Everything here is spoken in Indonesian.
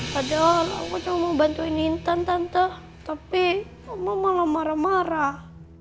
padahal aku cuma mau bantuin intan tante tapi mama malah marah marah